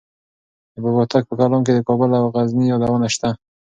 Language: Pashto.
د بابا هوتک په کلام کې د کابل او غزني یادونه شته.